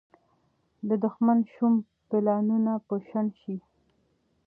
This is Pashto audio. د دښمن شوم پلانونه به شنډ شي.